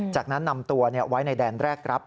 จากนั้นนำตัวไว้ในแดนแรกรับ